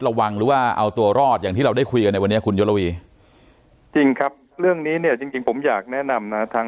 ระวังด้วยว่าเอาตัวรอดอย่างที่เราได้คุยกันคุณโยลวิจรีงครับเรื่องนี้เนี่ยจริงผมอยากแนะนำนะ